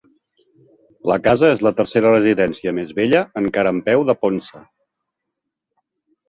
La casa és la tercera residència més vella encara en peu de Ponce.